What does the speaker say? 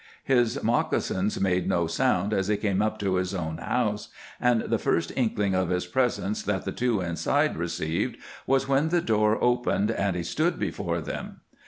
His moccasins made no sound as he came up to his own house, and the first inkling of his presence that the two inside received was when the door opened and he stood before them.